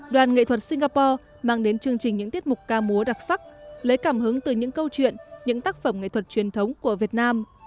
đoàn nghệ thuật singapore mang đến chương trình những tiết mục ca múa đặc sắc lấy cảm hứng từ những câu chuyện những tác phẩm nghệ thuật truyền thống của việt nam